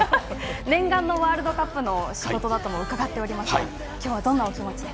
念願のワールドカップの仕事だとも伺っておりますが今日はどんなお気持ちで？